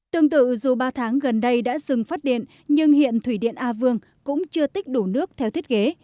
tương tự dù ba tháng gần đây đã dừng phát điện nhưng hiện thủy điện a vương cũng chưa tích đủ nước theo thiết kế